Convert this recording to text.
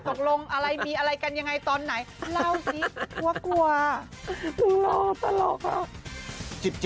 ตกลงอะไรมีอะไรกันยังไงตอนไหนเล่าสิว่ากลัวตลกอ่ะ